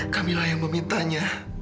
kamila yang memintanya